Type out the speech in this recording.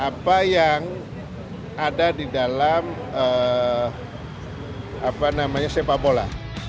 apa yang ada di dalam sepak bola